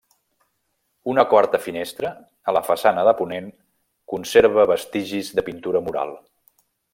Una quarta finestra, a la façana de ponent, conserva vestigis de pintura mural.